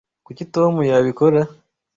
Kuki Tom yabikora?